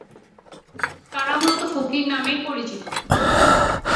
তারা মূলত ফকির নামেই পরিচিত।